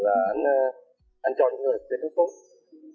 anh cho những người đến với tôi